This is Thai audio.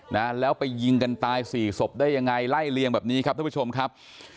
นะแล้วไปยิงกันตายสี่ศพได้ยังไงไล่เลียงแบบนี้ครับท่านผู้ชมครับ